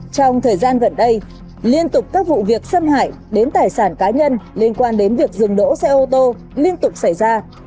trong thời gian gần đây liên tục các vụ việc xâm hại đến tài sản cá nhân liên quan đến việc dừng đỗ xe ô tô liên tục xảy ra